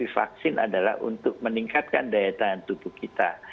vaksin adalah untuk meningkatkan daya tahan tubuh kita